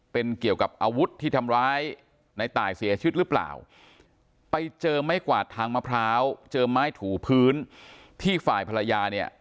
เป็นเกี่ยวกับอาวุธที่ทำร้ายในตายเสียชีวิตหรือเปล่าไปเจอไม้กวาดทางมะพร้าวเจอไม้ถูพื้นที่ฝ่ายภรรยาเนี่ย